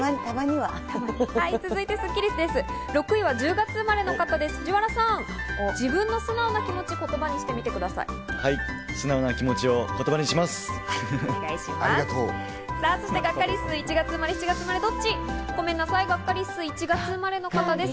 はい、素直な気持ちを言葉にします。